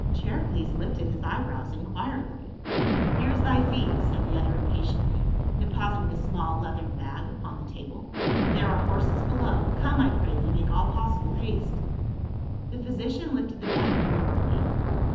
Charicles lifted his eyebrows inquiringly. THE PHYSICIAN AND THE EMPEROR. 99 " Here is thy fee," said the other impatiently, de positing a small leathern bag upon the table. " There are horses below. Come, I pray thee, make all pos sible haste." The physician lifted the bag deliberately.